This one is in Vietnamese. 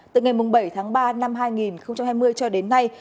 từ ngày bảy tháng ba năm hai nghìn hai mươi cho đến nay